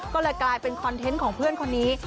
ก็เลยกลายเป็นคอนเทนต์ของเพื่อนคนนี้